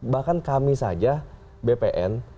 bahkan kami saja bpn